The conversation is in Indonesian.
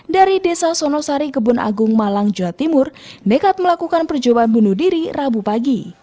dari desa sonosari kebun agung malang jawa timur nekat melakukan percobaan bunuh diri rabu pagi